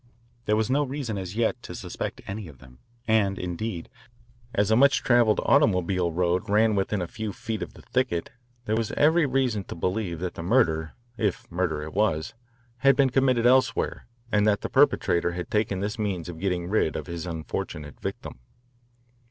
There was no reason, as yet, to suspect any of them, and indeed, as a much travelled automobile road ran within a few feet of the thicket, there was every reason to believe that the murder, if murder it was, had been committed elsewhere and that the perpetrator had taken this means of getting rid of his unfortunate victim.